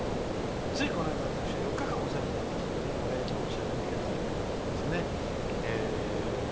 ついこの間、私は４日間お世話になったのでお礼を申し上げないといけませんね。